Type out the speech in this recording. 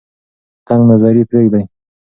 تنگ نظري پریږدئ.